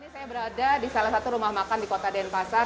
saya berada di salah satu rumah makan di kota denpasar